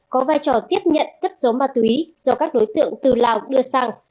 có vai trò tiếp nhận cất giống ma túy do các đối tượng từ lào đưa sang